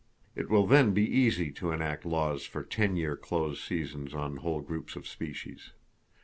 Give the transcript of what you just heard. It will then be easy to enact laws for ten year close seasons on whole groups of species.